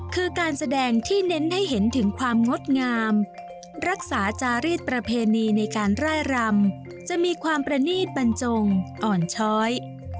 คือการแสดงที่เน้นให้เห็นถึงความงดงามรักษาจารีสประเพณีในการร่ายรำจะมีความประนีตบรรจงอ่อนช้อย